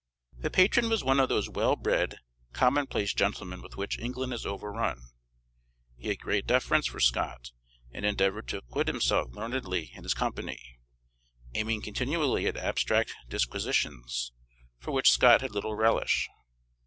The patron was one of those well bred, commonplace gentlemen with which England is overrun. He had great deference for Scott, and endeavored to acquit himself learnedly in his company, aiming continually at abstract disquisitions, for which Scott had little relish.